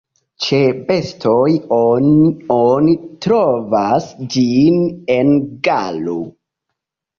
Ĉe bestoj oni oni trovas ĝin en galo.